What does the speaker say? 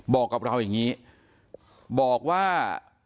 บอกกับเราอย่างนี้บอกว่า